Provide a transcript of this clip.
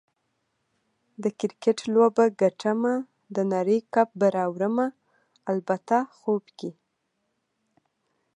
د کرکټ لوبه ګټمه، د نړۍ کپ به راوړمه - البته خوب کې